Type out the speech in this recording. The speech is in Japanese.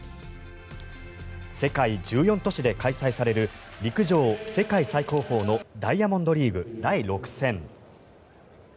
世界１４都市で開催される陸上世界最高峰のダイヤモンドリーグ第６戦。